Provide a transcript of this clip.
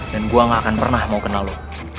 dan gue gak akan pernah mau kenal lo